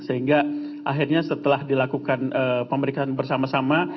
sehingga akhirnya setelah dilakukan pemeriksaan bersama sama